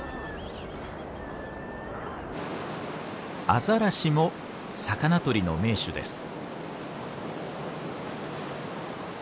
アザラシも魚とりの名手です。